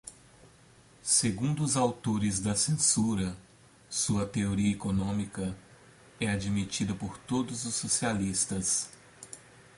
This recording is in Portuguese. segundo os autores da censura, sua teoria econômica é admitida por todos os socialistas